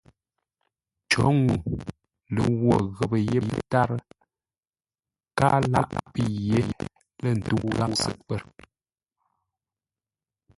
Cǒ ŋuu lə ghwo ghəpə́ yé pə́tárə́, káa láʼ pə́i yé lə̂ ntə́u gháp səkwə̂r.